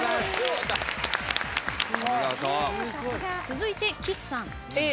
続いて岸さん。